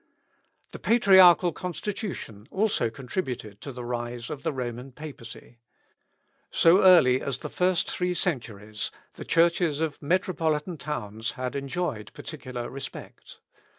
The patriarchal constitution also contributed to the rise of the Roman Papacy. So early as the three first centuries, the churches of metropolitan towns had enjoyed particular respect.